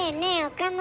岡村。